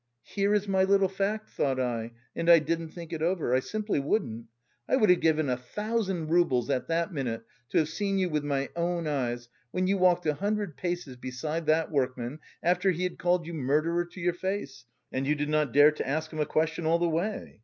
'Here is my little fact,' thought I, and I didn't think it over, I simply wouldn't. I would have given a thousand roubles at that minute to have seen you with my own eyes, when you walked a hundred paces beside that workman, after he had called you murderer to your face, and you did not dare to ask him a question all the way.